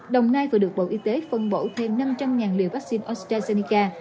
đồng nai vừa được bộ y tế phân bổ thêm năm trăm linh liều vaccine ostrazeneca